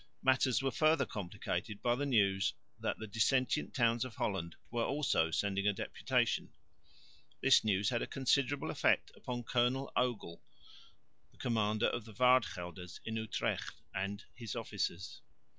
Matters were further complicated by the news that the dissentient towns of Holland were also sending a deputation. This news had a considerable effect upon Colonel Ogle, the commander of the Waardgelders in Utrecht, and his officers.